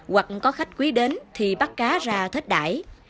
hoặc có khách quý đến thì bắt cá ra thích đải